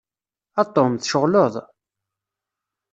A Tom, tceɣleḍ?